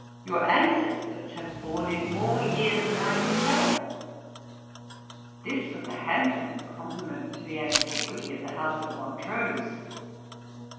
Your ancestors have borne it more years than I can tell.' This was a handsome compliment to the antiquity of the House of Montrose.